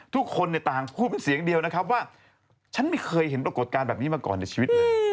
ทุกคนต่างพูดเป็นเสียงเดียวนะครับว่าฉันไม่เคยเห็นปรากฏการณ์แบบนี้มาก่อนในชีวิตเลย